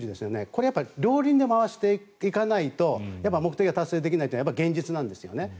これは両輪で回していかないと目的が達成できないというのが現実なんですよね。